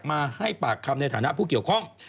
มาให้ปากคำในฐานะผู้เกี่ยวข้อง